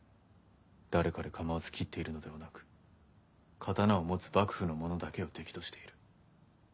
誰彼構わず斬っているのではなく刀を持つ幕府の者だけを敵としている。